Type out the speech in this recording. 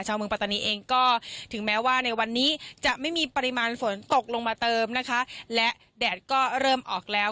เมืองปัตตานีเองก็ถึงแม้ว่าในวันนี้จะไม่มีปริมาณฝนตกลงมาเติมนะคะและแดดก็เริ่มออกแล้ว